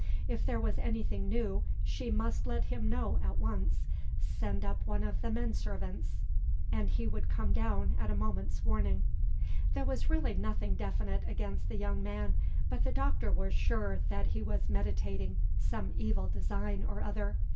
If there was anything new, she must let him know at once. Send up one of the menservants, and he would come down at a moment's warning. There was really nothing definite against this young man; but the Doctor was sure that he was meditating some evil design or other.